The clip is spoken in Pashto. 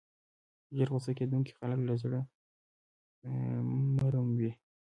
ژر غصه کېدونکي خلک له زړه نرم وي.